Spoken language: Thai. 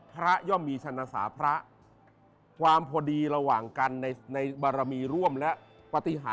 ย่อมมีชนะสาพระความพอดีระหว่างกันในบารมีร่วมและปฏิหาร